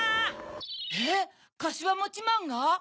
えっかしわもちまんが？